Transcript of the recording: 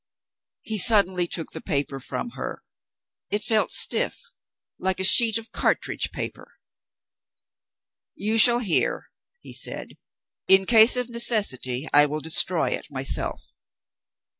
He suddenly took the paper from her. It felt stiff, like a sheet of cartridge paper. "You shall hear," he said. "In case of necessity, I will destroy it myself.